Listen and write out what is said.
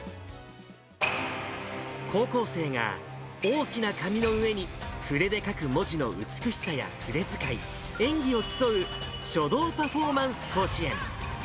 高校生が大きな紙の上に筆で書く文字の美しさや筆遣い、演技を競う書道パフォーマンス甲子園。